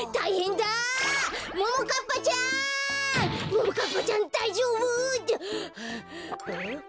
ももかっぱちゃんだいじょうぶ？はああっ？